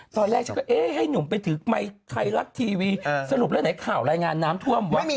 ตอนแรกให้หนุ่มไปถึงไมค์ไทยรัฐทีวีสรุปแล้วไหนข่าวรายงานน้ำท่วมไม่มี